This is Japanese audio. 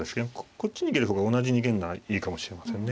こっち逃げる方が同じ逃げるならいいかもしれませんね。